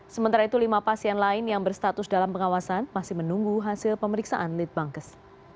sementara itu lima pasien lain yang berstatus dalam pengawasan masih menunggu hasil pemeriksaan litbangkes